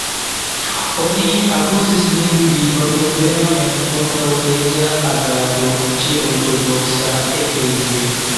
Oni akuzis lin pri partopreno en kontraŭleĝa agado ĉe Ortodoksa Eklezio.